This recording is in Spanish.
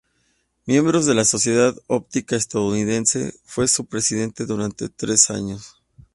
Miembro de la Sociedad Óptica Estadounidense, fue su presidente durante tres años.